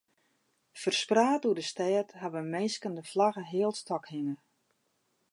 Ferspraat oer de stêd hawwe minsken de flagge healstôk hinge.